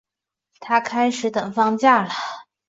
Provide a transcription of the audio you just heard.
就开始等放假啦